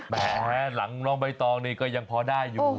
แหมหลังน้องใบตองนี่ก็ยังพอได้อยู่